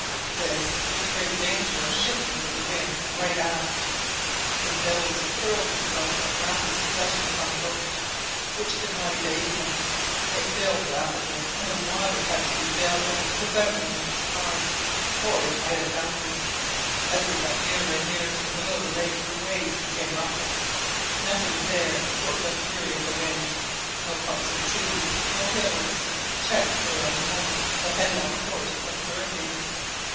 This was the great danger of shifting with the wind right aft. The billows hurled themselves in rapid succession upon the boat, which could not evade them. It filled rapidly, and the water bad to be baled out without a moment's pause, or it must have foundered. As they got nearer and nearer to the middle of the lake the waves became rougher. Nothing there broke the fury of the wind; no clumps of trees, no hills, checked for a moment the headlong course of the hurricane.